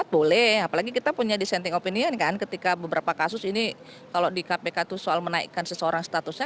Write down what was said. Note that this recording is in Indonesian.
boleh apalagi kita punya dissenting opinion kan ketika beberapa kasus ini kalau di kpk itu soal menaikkan seseorang statusnya